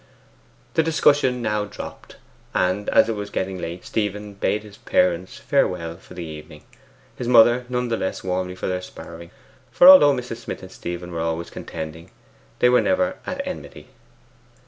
The discussion now dropped, and as it was getting late, Stephen bade his parents farewell for the evening, his mother none the less warmly for their sparring; for although Mrs. Smith and Stephen were always contending, they were never at enmity.